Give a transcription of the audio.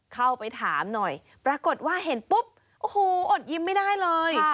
เข้าไปถามหน่อยปรากฏว่าเห็นปุ๊บโอ้โหอดยิ้มไม่ได้เลย